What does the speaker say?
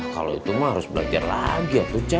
kalau itu mah harus belajar lagi tuh cah